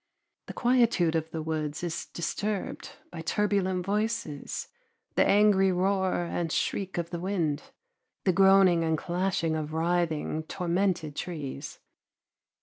The quietude of the woods is disturbed by turbulent voices, the angry roar and shriek of the wind, the groaning and clashing of writhing, tormented trees.